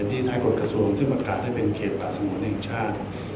เป็นที่ท้ายกฏกระทรวงที่ประกาศได้เป็นเขตประสงค์ในอีกชาติ